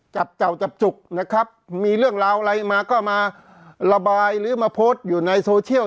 จับเจ้าจับจุกนะครับมีเรื่องราวอะไรมาก็มาระบายหรือมาโพสต์อยู่ในโซเชียล